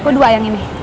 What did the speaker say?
aku dua yang ini